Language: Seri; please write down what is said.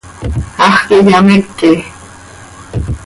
Hax quih hyameque.